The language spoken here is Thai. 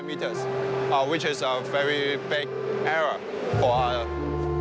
เวลามันเป็นอาจจะเป็นข้อมูลก่อน